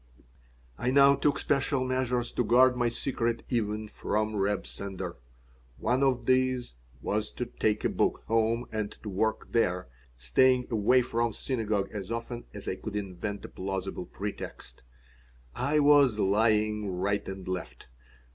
I now took special measures to guard my secret even from Reb Sender. One of these was to take a book home and to work there, staying away from synagogue as often as I could invent a plausible pretext. I was lying right and left.